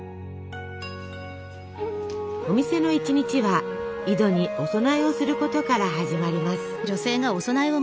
お店の一日は井戸にお供えをすることから始まります。